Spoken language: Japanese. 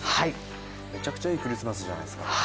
めちゃくちゃいいクリスマスじゃないですか。